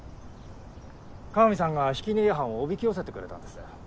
鏡さんがひき逃げ犯をおびき寄せてくれたんですよ。